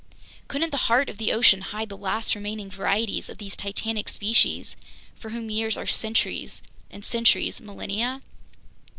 Couldn't the heart of the ocean hide the last remaining varieties of these titanic species, for whom years are centuries and centuries millennia?